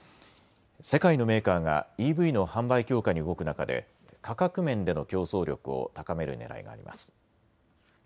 世界のメーカーがＥＶの販売強化に動く中で価格面での競争力を高めるねらいがあります。